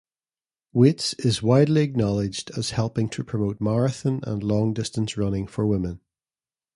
Waitz is widely acknowledged as helping to promote marathon and long-distance running for women.